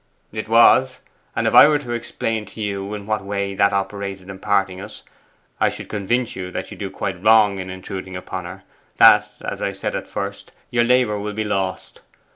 'It was. And if I were to explain to you in what way that operated in parting us, I should convince you that you do quite wrong in intruding upon her that, as I said at first, your labour will be lost.